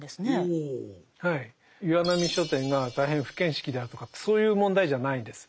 岩波書店が大変不見識であるとかってそういう問題じゃないんです。